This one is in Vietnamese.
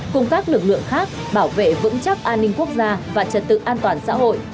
cùng các lực lượng khác bảo vệ vững chắc an ninh quốc gia và trật tự an toàn xã hội